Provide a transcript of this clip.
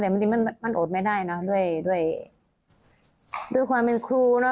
แต่บางทีมันอดไม่ได้เนอะด้วยด้วยความเป็นครูเนอ